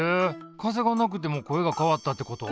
風がなくても声が変わったってこと？